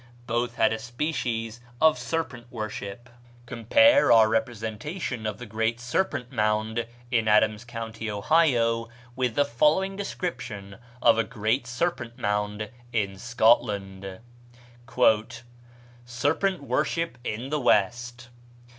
Both had a species of serpent worship. GREAT SERPENT MOUND, OHIO. Compare our representation of the great serpent mound in Adams County, Ohio, with the following description of a great serpent mound in Scotland: "Serpent worship in the West.